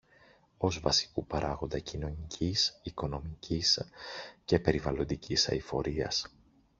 ως βασικού παράγοντα κοινωνικής, οικονομικής και περιβαλλοντικής αειφορίας.